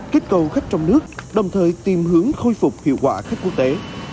kích cầu khách trong nước đồng thời tìm hướng khôi phục hiệu quả khách quốc tế